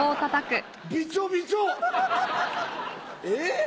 びちょびちょえ？